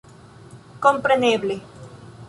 Kompreneble